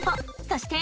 そして。